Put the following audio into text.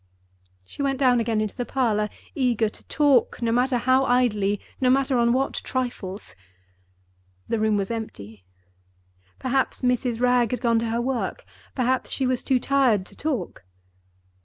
She went down again into the parlor, eager to talk—no matter how idly, no matter on what trifles. The room was empty. Perhaps Mrs. Wragge had gone to her work—perhaps she was too tired to talk.